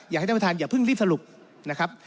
อยากให้ท่านประธานอย่าเพิ่งรีบสรุปนะครับ